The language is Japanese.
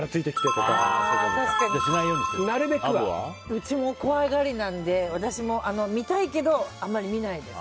うちも怖がりなので私も見たいけどあまり見ないです。